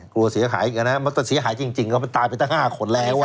กลัวเสียหายกันนะครับมันก็เสียหายจริงก็ตายไปตั้ง๕คนแล้ว